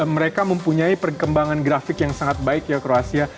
mereka mempunyai perkembangan grafik yang sangat baik ya kroasia